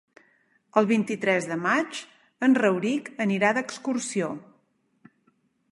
El vint-i-tres de maig en Rauric anirà d'excursió.